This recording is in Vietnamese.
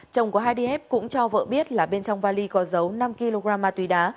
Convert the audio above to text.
chồng của hai df cũng cho vợ biết là bên trong vali có dấu năm kg ma túy đá